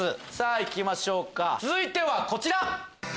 いきましょう続いてはこちら！